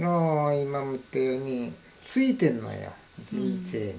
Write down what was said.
今も言ったようについてんのよ人生に。